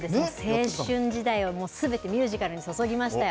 青春時代はすべてミュージカルに注ぎましたよ。